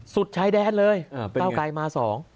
สุดชายแดนเลยก้าวกายมา๒